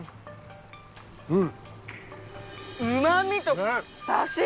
うん。